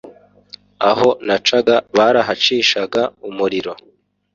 aho nacaga barahacishaga umuriro